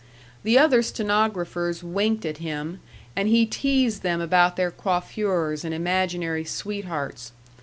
The other stenographers winked at him, and he teased them about their coiffures and imaginary sweethearts....